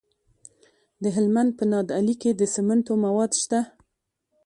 د هلمند په نادعلي کې د سمنټو مواد شته.